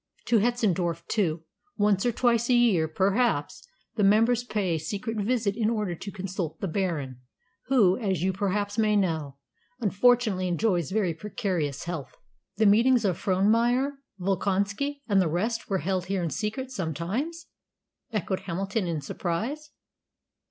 To Hetzendorf, too, once or twice a year, perhaps, the members pay a secret visit in order to consult the Baron, who, as you perhaps may know, unfortunately enjoys very precarious health." "Then meetings of Frohnmeyer, Volkonski, and the rest were held here in secret sometimes?" echoed Hamilton in surprise.